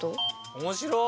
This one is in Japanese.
面白い！